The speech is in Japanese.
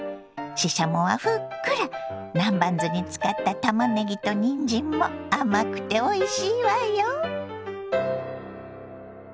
ししゃもはふっくら南蛮酢につかったたまねぎとにんじんも甘くておいしいわよ。